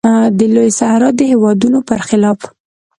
د لویې صحرا د هېوادونو پر خلاف.